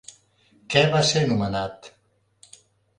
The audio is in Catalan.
Què va ser nomenat?